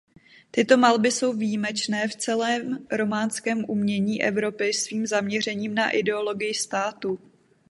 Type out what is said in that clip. Tyto malby jsou výjimečné v celém románském umění Evropy svým zaměřením na ideologii státu.